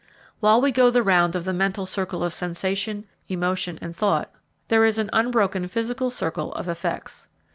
While we go the round of the mental circle of sensation, emotion, and thought, there is an unbroken physical circle of effects.